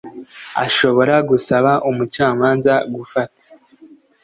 ashobora gusaba umucamanza gufata